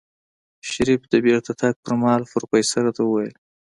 شريف د بېرته تګ پر مهال پروفيسر ته وويل.